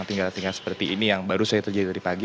atau tinggal tinggal seperti ini yang baru saya terjadi pagi